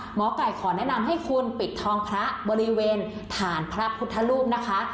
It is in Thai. หมอไก่ขอแนะนำให้คุณปิดทองพระบริเวณฐานพระพุทธรูปนะคะ